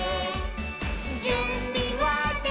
「じゅんびはできた？